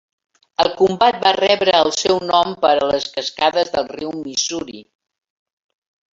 El comtat va rebre el seu nom per les cascades del riu Missouri.